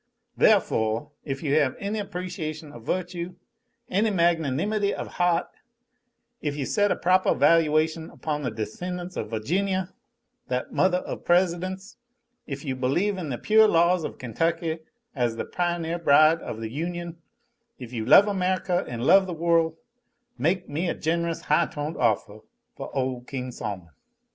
The'foh, if you have any appreciation of virtue, any magnanimity of heaht; if you set a propah valuation upon the descendants of Virginia, that mothah of Presidents; if you believe in the pure laws of Kentucky as the pioneer bride of the Union; if you love America an' love the worl' make me a gen'rous, high toned offah foh ole King Sol'mon!"